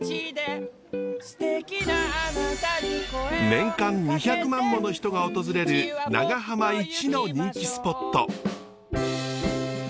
年間２００万もの人が訪れる長浜一の人気スポット！